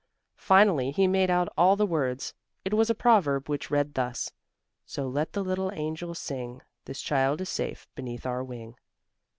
Finally he made out all the words. It was a proverb which read thus: "So let the little angels sing: This child is safe beneath our wing."